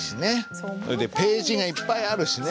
それでページがいっぱいあるしね。